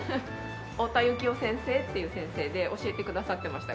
太田幸夫先生っていう先生で教えてくださってました